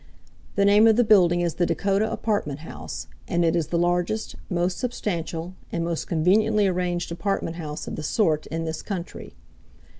The name of the building is the Dakota Apartment House, and it is the largest, most substantial, and most conveniently arranged apartment house of the sort in this country.